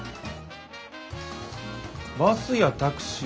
バスやタクシーは